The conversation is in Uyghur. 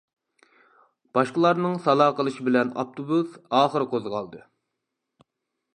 باشقىلارنىڭ سالا قىلىشى بىلەن ئاپتوبۇس ئاخىرى قوزغالدى.